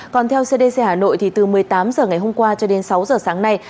còn theo cdc hà nội thì từ một mươi tám h ngày hôm qua cho đến sáu giờ sáng nay